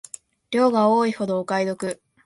量が多いほどお買い得